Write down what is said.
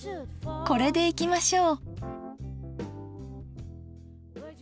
これでいきましょう。